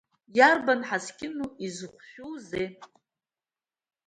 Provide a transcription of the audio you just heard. Иарбан ҳаскьыну, иззыхәшәузеи?!